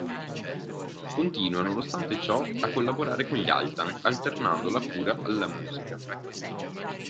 Continua nonostante ciò a collaborare con gli Altan, alternando la cura alla musica.